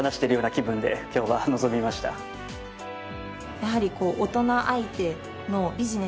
やはりこう大人相手のビジネス。